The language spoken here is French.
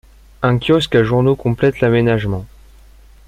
Un kiosque à journaux complète l'aménagement.